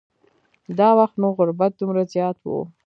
دا وخت نو غربت دومره زیات و.